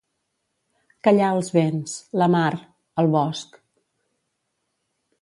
Callar els vents, la mar, el bosc.